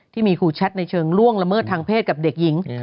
ที่มีครูแชทในเชิงล่วงละเมิดทางเพศกับเด็กหญิง